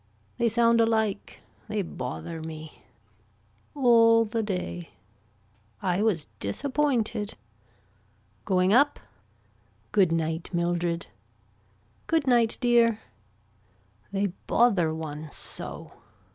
They sound alike. They bother me. All the day. I was disappointed. Going up. Good night Mildred. Good night dear. They bother one so.